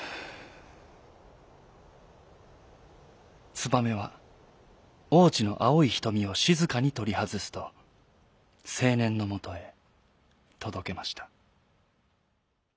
ツバメはおうじのあおいひとみをしずかにとりはずすとせいねんのもとへとどけました。